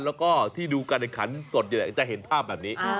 แล้วก็ที่ดูการแข่งขันสดจะเห็นภาพแบบนี้